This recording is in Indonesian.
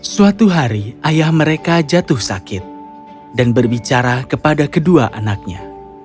suatu hari ayah mereka jatuh sakit dan berbicara kepada kedua anaknya